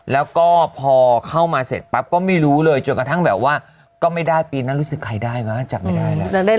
แล้วก็พอเข้ามาเสร็จปั๊บก็ไม่รู้เลยจนกระทั่งแบบว่าก็ไม่ได้ปีนั้นรู้สึกใครได้วะจับไม่ได้แล้ว